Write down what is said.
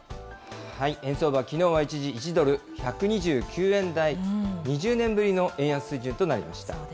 円相場、きのうは一時、１ドル１２９円台、２０年ぶりの円安水準となりました。